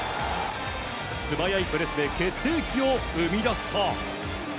素早いプレスで決定機を生み出すと。